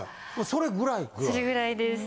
それぐらいです。